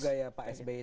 itu juga ya pak sbi